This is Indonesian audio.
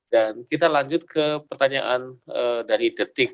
dan kita lanjut ke pertanyaan dari detik